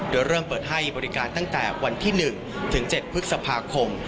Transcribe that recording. เดี๋ยวเริ่มเปิดให้บริการตั้งแต่วันที่๑๗ภศพาคม